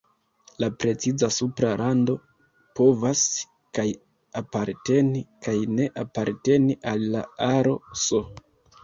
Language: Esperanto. La preciza supra rando povas kaj aparteni kaj ne aparteni al la aro "S".